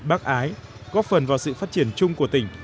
bắc ái góp phần vào sự phát triển chung của tỉnh